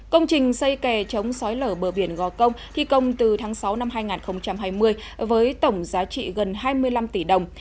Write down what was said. công trình xây kè chống sói lở bờ biển gò công thi công từ tháng sáu năm hai nghìn hai mươi với tổng giá trị gần hai mươi năm tỷ đồng